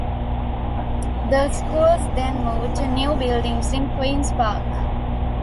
The school then moved to new buildings in Queen's Park.